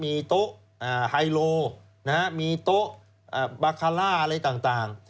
มีต๋อฮีโรเนี่ยมีต๋อบาฆาล่าอะไรต่าง